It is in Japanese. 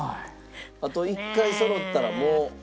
あと１回そろったらもう。ねえ！